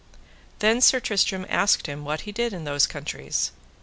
Then Sir Tristram asked him what he did in those countries.